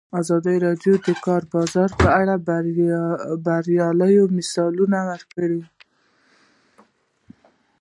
ازادي راډیو د د کار بازار په اړه د بریاوو مثالونه ورکړي.